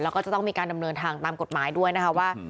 แล้วก็จะต้องมีการดำเนินทางตามกฎหมายด้วยนะคะว่า